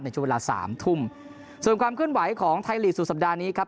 ช่วงเวลาสามทุ่มส่วนความเคลื่อนไหวของไทยลีกสุดสัปดาห์นี้ครับ